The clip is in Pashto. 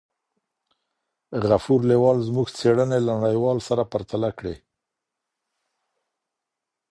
غفور لیوال زموږ څېړني له نړیوالو سره پرتله کړې.